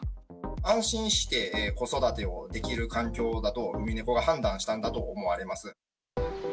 安心して子育てをできる環境だと、ウミネコが判断したんだと思われます。